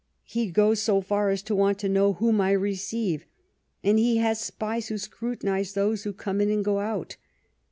He goes so far as to want to know whom I receive, and he has spies who scrutinize those who come in and go out.